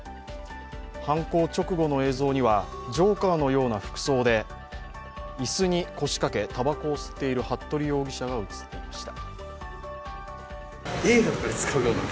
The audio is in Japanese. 犯行直後の映像には、ジョーカーのような服装で椅子に腰かけ、たばこを吸っている服部容疑者が映っていました。